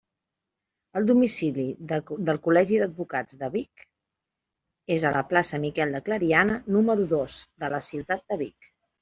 El domicili del Col·legi d'Advocats de Vic és a la plaça Miquel de Clariana, número dos, de la ciutat de Vic.